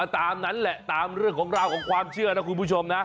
ตามนั้นแหละตามเรื่องของราวของความเชื่อนะคุณผู้ชมนะ